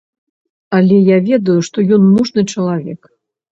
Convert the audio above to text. Але я ведаю, што ён мужны чалавек.